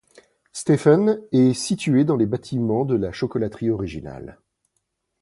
Stephen et situé dans les bâtiments de la chocolaterie originale.